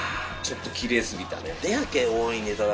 ちょっときれいすぎたね。